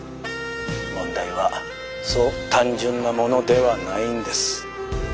問題はそう単純なものではないんです」。